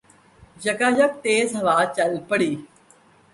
یکایک بہت تیز ہوا چل پڑی